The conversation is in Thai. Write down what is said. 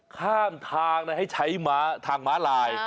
ข้ามทางให้ใช้ทางม้าลาย